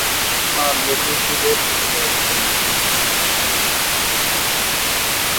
পার্বতী শিবের দ্বিতীয়া স্ত্রী।